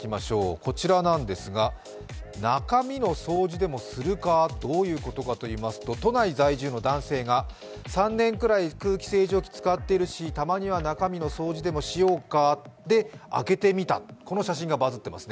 こちらなんですが中身の掃除でもするか、どういうことかといいますと都内在住の男性が、３年くらい空気清浄機使ってるし、たまには中身の掃除でもしようか、で、開けてみたこの写真がバズってますね。